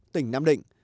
tỉnh nam định